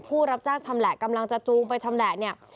ผู้รับจ้างชำแหละกำลังจะจูงไปชำแหละเนี่ย